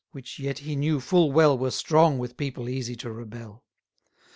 which yet he knew full well Were strong with people easy to rebel.